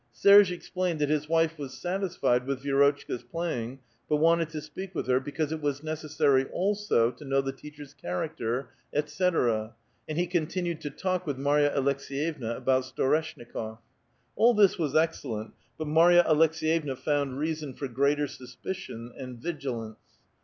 Serge explained that his wife was satisfied with Vi6rotchka*s playing, bat wanted to speak with her because it was necessary also to know the teacher's character, etc., and he continued to talk with Marya Aleks6yevna about Storeshnikof. All this was excellent, but Marya Aleks^»yevna found reason for greater suspicion and vigilance.